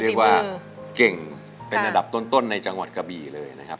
เรียกว่าเก่งเป็นอันดับต้นในจังหวัดกะบีเลยนะครับ